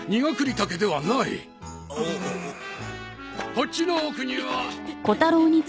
こっちの奥には。